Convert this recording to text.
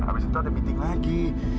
habis itu ada meeting lagi